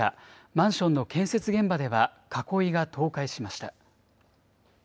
マンションの建設現場では、囲いが倒壊しました。